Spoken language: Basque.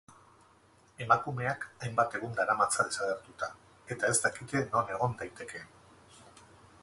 Emakumeak hainbat egun daramatza desagertuta, eta ez dakite non egon daitekeen.